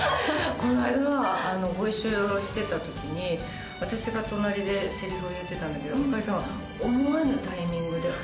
こないだご一緒してた時に私が隣でセリフを言ってたんだけど赤井さんが思わぬタイミングで。